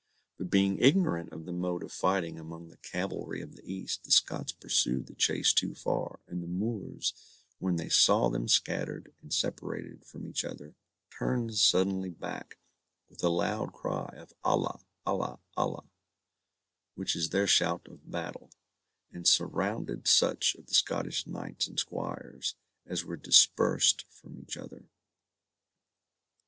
But being ignorant of the mode of fighting among the cavalry of the East, the Scots pursued the chase too far, and the Moors, when they saw them scattered and separated from each other, turned suddenly back, with a loud cry of ALLAH ILLAH ALLAH, which is their shout of battle, and surrounded such of the Scottish knights and squires as were dispersed from each other.